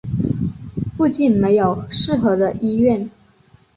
附近没有适合的医院